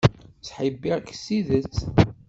Ttḥibbiɣ-k s tidet.